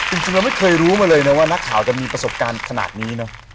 จริงเราไม่เคยรู้มาเลยนะว่านักข่าวจะมีประสบการณ์ขนาดนี้เนอะ